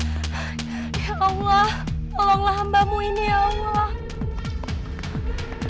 ya allah tolonglah hambamu ini ya allah